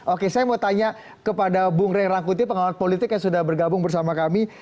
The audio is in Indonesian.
oke saya mau tanya kepada bung rey rangkuti pengawat politik yang sudah bergabung bersama kami